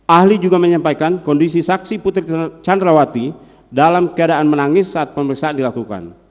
ahli juga menyampaikan kondisi saksi putri candrawati dalam keadaan menangis saat pemeriksaan dilakukan